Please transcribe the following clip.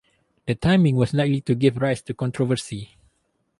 The timing was likely to give rise to controversy.